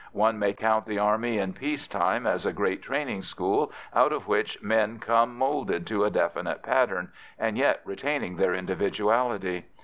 One may count the Army in peace time as a great training school out of which men come moulded to a definite pattern, and yet retaining their individuality.